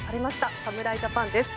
侍ジャパンです。